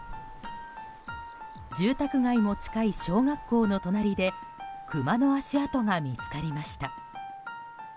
住宅街も近い小学校の隣でクマの足跡が見つかりました。